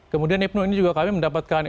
kemudian ipno ini juga kami mendapatkan